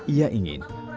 ia ingin mereka yang